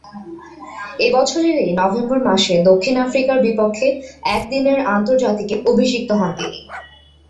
ঐ বছরেরই নভেম্বর মাসে দক্ষিণ আফ্রিকার বিপক্ষে একদিনের আন্তর্জাতিকে অভিষিক্ত হন তিনি।